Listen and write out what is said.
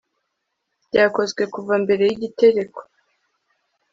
Byakozwe kuva mbere yigitereko